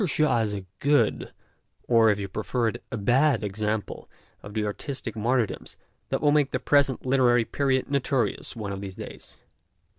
Shaw is a good, or, if you prefer it, a bad example of the artistic martyrdoms that will make the present literary period notorious one of these days.